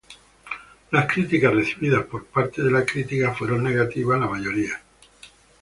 Las críticas recibidas por parte de la crítica fueron negativas en la mayoría.